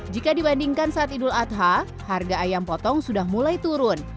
jika dibandingkan saat idul adha harga ayam potong sudah mulai turun